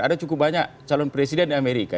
ada cukup banyak calon presiden di amerika